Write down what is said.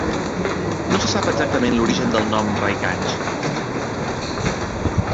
No se sap exactament l'origen del nom Raiganj.